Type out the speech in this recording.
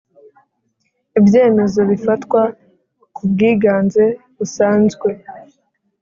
Ibyemezo bifatwa ku bwiganze busasanzwe